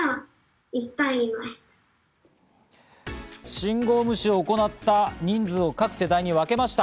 信号無視を行った人数を各世代に分けました。